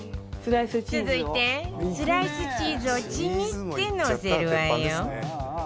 続いてスライスチーズをちぎってのせるわよ